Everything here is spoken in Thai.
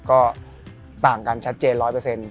ก็ต่างกันชัดเจน๑๐๐